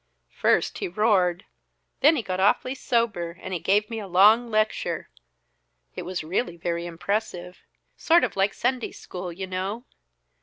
"First he roared; then he got awfully sober, and he gave me a long lecture it was really very impressive sort of like Sunday School, you know.